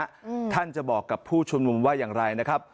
อืมท่านจะบอกกับผู้ชุมนุมว่าอย่างไรนะครับ